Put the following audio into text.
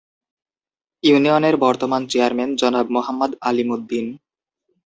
ইউনিয়নের বর্তমান চেয়ারম্যান জনাব মোহাম্মদ আলীম উদ্দীন।